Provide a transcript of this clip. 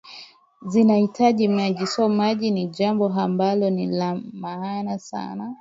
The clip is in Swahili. zinahitaji maji so maji ni jambo ambalo ni la maana sana